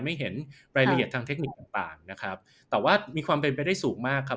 ไม่เห็นรายละเอียดทางเทคนิคต่างต่างนะครับแต่ว่ามีความเป็นไปได้สูงมากครับ